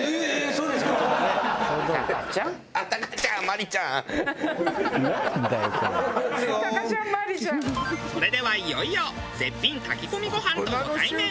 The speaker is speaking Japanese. それではいよいよ絶品炊き込みご飯とご対面。